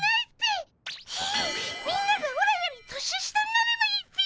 みんながオラより年下になればいいっピ！